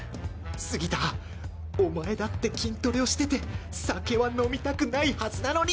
杉田お前だって筋トレをしてて酒は飲みたくないはずなのに！